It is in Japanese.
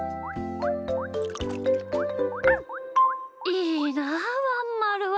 いいなあワンまるは。